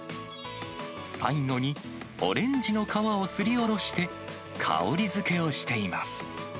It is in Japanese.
最後にオレンジの皮をすり下ろして、香りづけをしています。